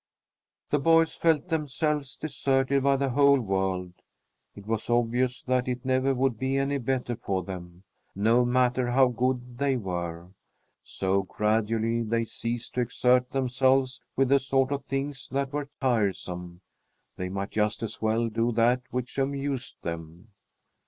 The boys felt themselves deserted by the whole world. It was obvious that it never would be any better for them, no matter how good they were! So, gradually, they ceased to exert themselves with the sort of things that were tiresome. They might just as well do that which amused them.